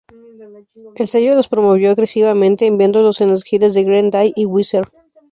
El sello los promovió agresivamente, enviándolos en las giras de Green Day y Weezer.